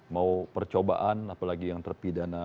mau percobaan apalagi yang terpidana